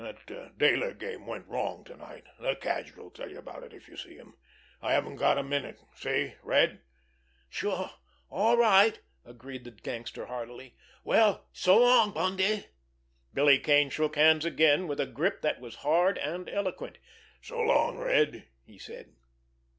That Dayler game went wrong to night—the Cadger'll tell you about it, if you see him—and I haven't got a minute. See—Red?" "Sure! All right!" agreed the gangster heartily. "Well, so long, Bundy!" Billy Kane shook hands again—with a grip that was hard and eloquent. "So long, Red!" he said.